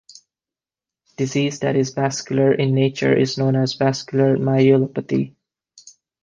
Disease that is vascular in nature is known as vascular myelopathy.